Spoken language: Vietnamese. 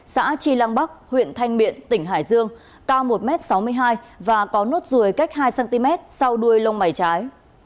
xã tri lăng bắc huyện thanh miện tỉnh hải dương cao một m sáu mươi hai và có nốt ruồi cách hai cm sau đuôi lông mày trái